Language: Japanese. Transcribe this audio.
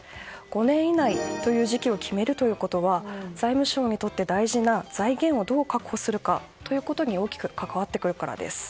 ５年以内という時期を決めるということは財務省にとって大事な財源をどう確保するかということに大きく関わってくるからです。